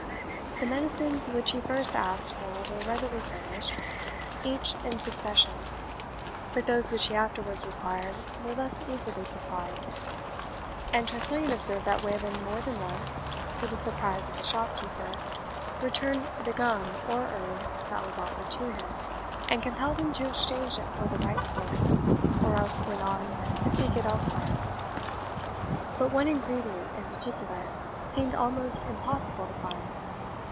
The medicines which he first asked for were readily furnished, each in succession, but those which he afterwards required were less easily supplied; and Tressilian observed that Wayland more than once, to the surprise of the shopkeeper, returned the gum or herb that was offered to him, and compelled him to exchange it for the right sort, or else went on to seek it elsewhere. But one ingredient, in particular, seemed almost impossible to be found.